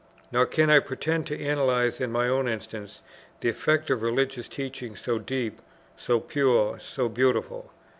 Nor can I pretend to analyze, in my own instance, the effect of religious teaching so deep, so pure, so beautiful.